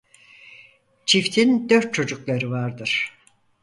Çiftin dört çocukları vardır.